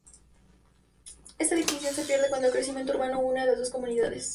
Esta distinción se pierde cuando el crecimiento urbano une a las dos comunidades.